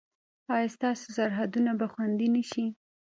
ایا ستاسو سرحدونه به خوندي نه شي؟